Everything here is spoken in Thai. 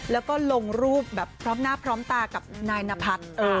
แล้วก็ลงรูปแบบพร้อมหน้าพร้อมตากับนายนพัฒน์